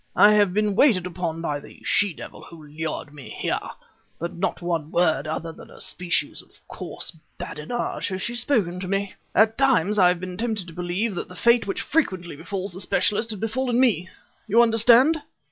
I have been waited upon by the she devil who lured me here, but not one word other than a species of coarse badinage has she spoken to me. At times I have been tempted to believe that the fate which frequently befalls the specialist had befallen me? You understand?"